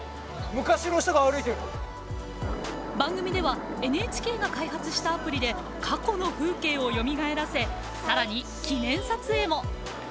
番組ではＮＨＫが開発したアプリで過去の風景をよみがえらせ、さらに記念撮影も。